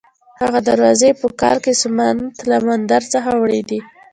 هغه دروازې یې په کال کې د سومنات له مندر څخه وړې دي.